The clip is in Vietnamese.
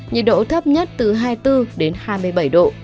nhiệt độ thấp nhất từ hai mươi bốn đến hai mươi bảy độ